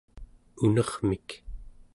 unermik